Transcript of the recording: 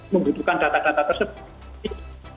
membutuhkan data data tersebut